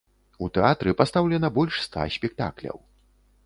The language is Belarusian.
У тэатры пастаўлена больш ста спектакляў.